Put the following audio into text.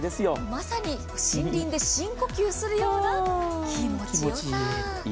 まさに森林で深呼吸するような気持ちよさ。